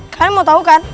kalian mau tau kan